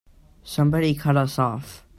Somebody cut us off!